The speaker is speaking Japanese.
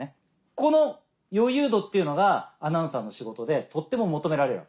この余裕度っていうのがアナウンサーの仕事でとっても求められる。